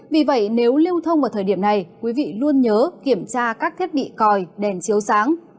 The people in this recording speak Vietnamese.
vì vậy nếu lưu thông vào thời điểm này quý vị luôn nhớ kiểm tra các thiết bị còi đèn chiếu sáng